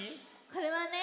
これはね